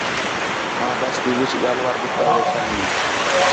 آں بَس تی وِچ ڳالھ وار لِکھتا ویٹھا ہینس